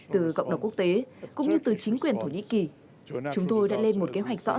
từ cộng đồng quốc tế cũng như từ chính quyền thổ nhĩ kỳ chúng tôi đã lên một kế hoạch rõ